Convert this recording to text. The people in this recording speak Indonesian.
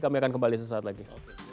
kami akan kembali sesaat lagi